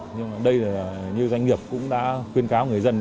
nhưng mà đây là như doanh nghiệp cũng đã khuyên cáo người dân